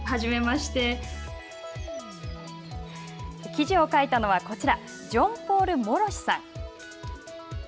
記事を書いたのはこちらジョン・ポール・モロシさん。